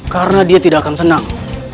karena dia tidak akan senang